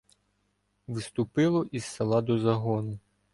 Вступило із села до загону